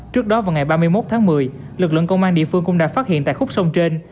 trước đó vào ngày ba mươi một tháng một mươi lực lượng công an địa phương cũng đã phát hiện tại khúc sông trên